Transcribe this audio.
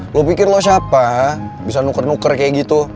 lo pikir lo siapa bisa nuker nuker kayak gitu